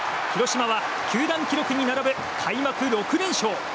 広島は球団記録に並ぶ開幕６連勝。